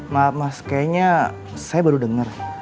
maaf mas kayaknya saya baru dengar